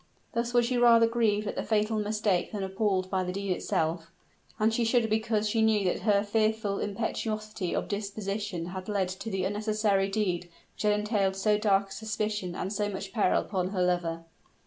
Thus was she rather grieved at the fatal mistake than appalled by the deed itself; and she shuddered because she knew that her fearful impetuosity of disposition had led to the unnecessary deed which had entailed so dark a suspicion and so much peril upon her lover.